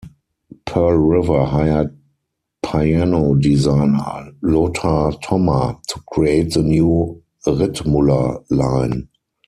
Pearl River hired piano designer Lothar Thomma to create the new Ritmuller line.